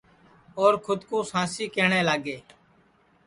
اور کھود کُو سانسی کہٹؔے لاگے